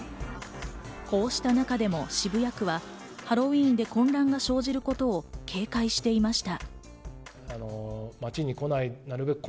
こうした中でも渋谷区はハロウィーンで混乱が生じることを警戒していました。